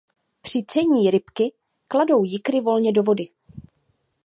Při tření rybky kladou jikry volně do vody.